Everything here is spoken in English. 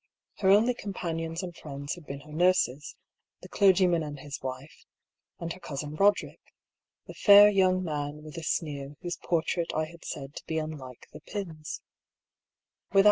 Her only com panions and friends had been her nurses, the clergyman and his wife, and her cousin Roderick, the fair young man with a sneer whose portrait I had said to be unlike the Pyms.